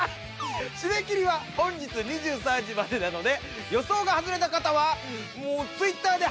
締め切りは本日２３時までなので予想が外れた方はＴｗｉｔｔｅｒで＃